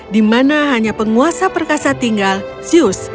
di mana hanya penguasa perkasa tinggal sius